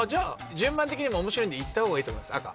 順番的にも面白いんでいった方がいいと思います赤。